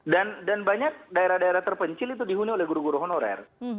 dan banyak daerah daerah terpencil itu dihuni oleh guru guru honorer